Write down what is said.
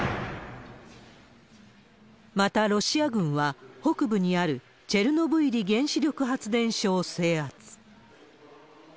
またロシア軍は、北部にあるチェルノブイリ原子力発電所を制圧。